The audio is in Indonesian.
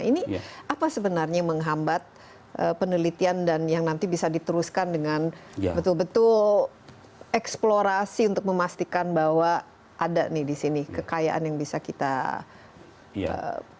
ini apa sebenarnya menghambat penelitian dan yang nanti bisa diteruskan dengan betul betul eksplorasi untuk memastikan bahwa ada nih di sini kekayaan yang bisa kita dapatkan